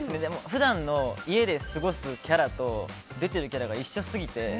普段の家で過ごすキャラと、出ているキャラが一緒過ぎて。